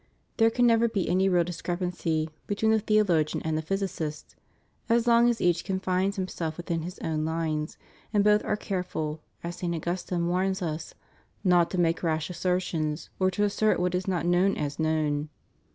There can never, indeed, be any real discrepancy between the theologian and the physicist, as long as each confines himself within his own lines, and both are careful, as St. Augustine warns us, "not to make rash assertions, or to assert what is not known as known."